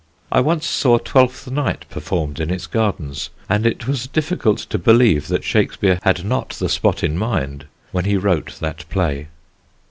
I once saw Twelfth Night performed in its gardens, and it was difficult to believe that Shakespeare had not the spot in mind when he wrote that play.